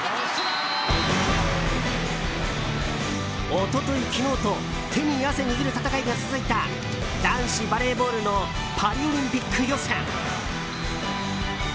一昨日、昨日と手に汗握る戦いが続いた男子バレーボールのパリオリンピック予選。